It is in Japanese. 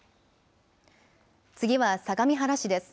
次は相模原市です。